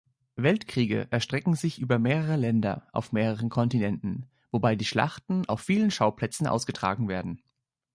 Weltkriege erstrecken sich über mehrere Länder auf mehreren Kontinenten, wobei die Schlachten auf vielen Schauplätzen ausgetragen werden.